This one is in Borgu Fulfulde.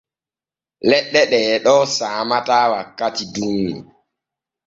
Leɗɗe ɗee ɗo saamataa wakkati dunŋu.